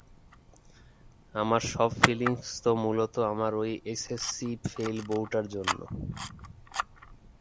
আমার সব ফিলিংস তো মূলত আমার ঐ এস এস সি ফেইল বউটার জন্যে।